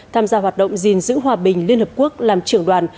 tham gia hoạt động gìn giữ hòa bình liên hợp quốc làm trưởng đoàn